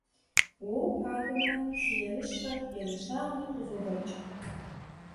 Уэ упагэмэ, сыерыщкъэ, ерыщагъри къызобэкӀ.